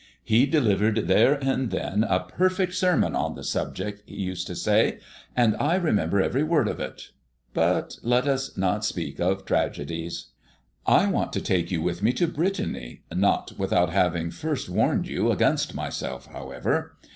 "He delivered there and then a perfect sermon on the subject," he used to say, "and I remember every word of it." But let us not speak of tragedies. I want to take you with me to Brittany, not without having first warned you against myself, however.